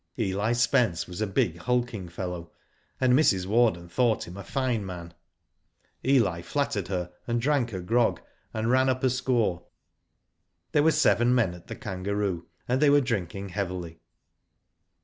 Eli Spence was a big hulking fellow, and Mrs. Warden thought him a line man. Digitized byGoogk AT MUNDA AGAIN, 157 Eli flattered her and drank her grog, and ran up a score. There were seven men at "The Kangaroo," and they were drinking heavily.